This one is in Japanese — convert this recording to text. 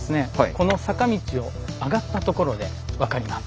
この坂道を上がったところで分かります。